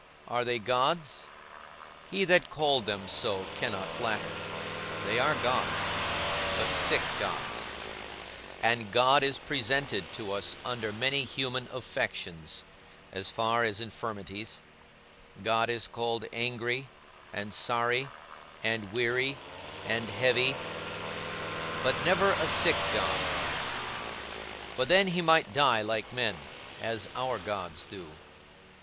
Are they gods? He that called them so cannot flatter. They are gods, but sick gods; and God is presented to us under many human affections, as far as infirmities: God is called angry, and sorry, and weary, and heavy, but never a sick God; for then he might die like men, as our gods do.